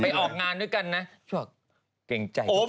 ไปออกงานด้วยกันนะช่วงว่าเกรงใจกว่าพอ